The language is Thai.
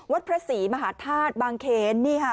วัดพระศรีมหาธาตุบางเขนนี่ค่ะ